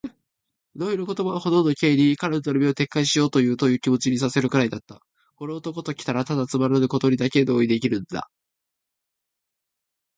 同意の言葉はほとんど Ｋ に、彼の頼みを撤回しようというという気持にさせるくらいだった。この男ときたら、ただつまらぬことにだけ同意できるのだ。